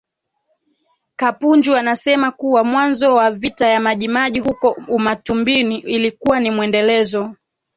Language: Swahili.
Kapunju anasema kuwa mwanzo wa Vita ya Majimaji huko Umatumbini ilikuwa ni mwendelezo